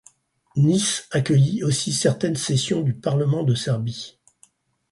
Niš accueillit aussi certaines sessions du Parlement de Serbie.